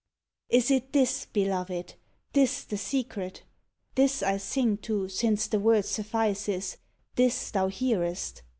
Is it this, Beloved, this the secret ? This I sing to, since the word suffices, This thou hearest